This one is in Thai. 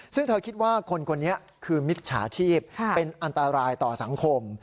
ซึ่งเธอคิดว่าคนคนนี้คือมิจฉาชีพเป็นอันตรายต่อสังคม